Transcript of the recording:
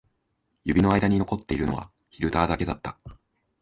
指の間に残っているのはフィルターだけだった